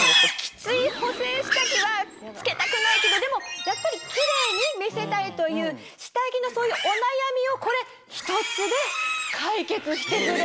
きつい補整下着は着けたくないけどでもやっぱりキレイに見せたいという下着のそういうお悩みをこれ１つで解決してくれるんですよ。